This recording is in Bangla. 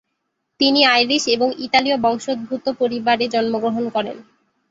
তিনি আইরিশ এবং ইতালীয় বংশোদ্ভূত পরিবারে জন্মগ্রহণ করেন।